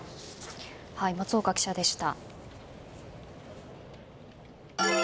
松岡記者でした。